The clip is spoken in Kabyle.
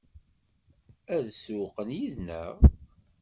Ad sewwqen yid-neɣ?